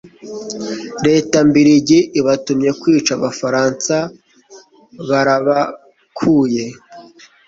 Leta Mbirigi ibatumye kwica Abafaransa barabakuye